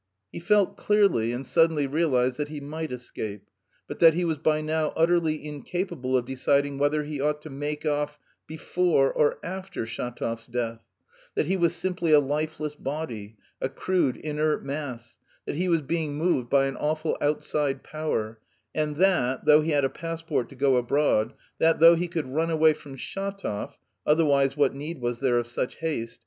He felt clearly, and suddenly realised that he might escape, but that he was by now utterly incapable of deciding whether he ought to make off before or after Shatov's death; that he was simply a lifeless body, a crude inert mass; that he was being moved by an awful outside power; and that, though he had a passport to go abroad, that though he could run away from Shatov (otherwise what need was there of such haste?)